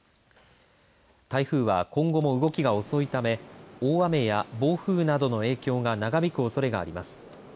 台風は今後も動きが遅いため大雨や暴風などの影響が長引くおそれがあります。